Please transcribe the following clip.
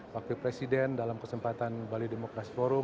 wakil presiden dalam kesempatan bali demokrasi forum